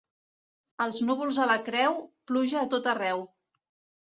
Els núvols a la Creu, pluja a tot arreu.